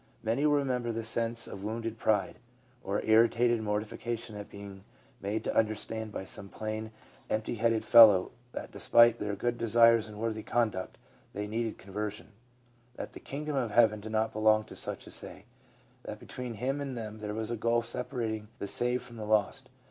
Many will remember the sense of wounded pride, of irritated mor tification at being made to understand by some plain, empty headed fellow that, despite their good desires and worthy conduct, they needed conversion ; that the kingdom of heaven did not belong to such as they ; that between him and them there was the gulf separating the saved from the lost.